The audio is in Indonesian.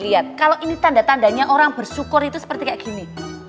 lihat kalau ini tanda tandanya orang bersyukur itu seperti kayak gini